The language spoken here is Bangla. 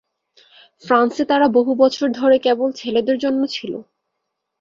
ফ্রান্সে তারা বহু বছর ধরে কেবল ছেলেদের জন্য ছিল।